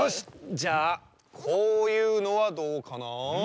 じゃあこういうのはどうかなあ。